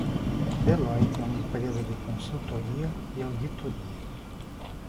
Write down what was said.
Deloitte é uma empresa de consultoria e auditoria.